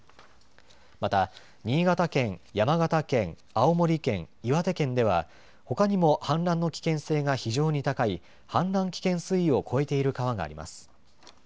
また新潟県、山形県、青森県岩手県では、ほかにも氾濫の危険性が非常に高い氾濫危険水位を超えている川があります。